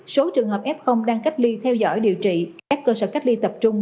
số trường hợp f đang cách ly theo dõi điều trị các cơ sở cách ly tập trung